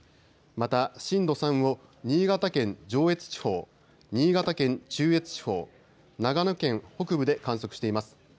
また震度３を新潟県上越地方、新潟県中越地方、長野県北部で観測しています。